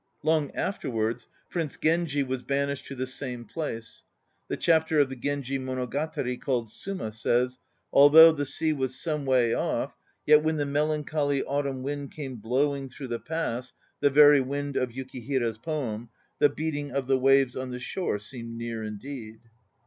Long afterwards Prince Genji was banished to the same place. The chapter of the Genji Monogatari called "Suma" says: Although the sea was some way off, yet when the melancholy autumn wind came "blowing through the pass" (the very wind of Yukihira's poem), the beating of the waves on the shore seemed near indeed.